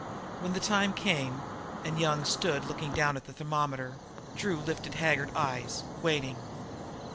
When the time came, and Young stood looking down at the thermometer, Drew lifted haggard eyes, waiting.